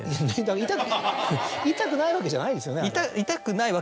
痛くないわけじゃないですよね？